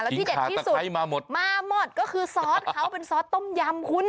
แล้วที่เด็ดที่สุดมาหมดก็คือซอสเค้าเป็นซอสต้มยำคุณ